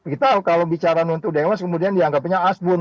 kita kalau bicara untuk deklas kemudian dianggapnya asbun